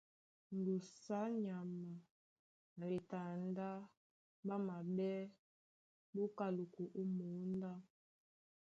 Ŋgusu á nyama na ɓetandá ɓá maɓɛ́ ɓá oká loko ó mǒndá.